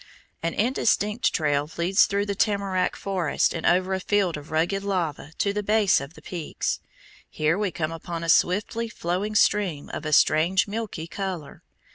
An indistinct trail leads through the tamarack forest and over a field of rugged lava to the base of the peaks. Here we come upon a swiftly flowing stream of a strange milky color.